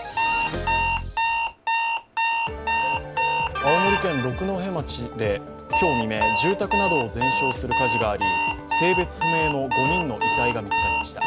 青森県六戸町で今日未明、住宅などを全焼する火事があり性別不明の５人の遺体が見つかりました。